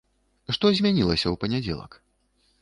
Што змянілася ў панядзелак?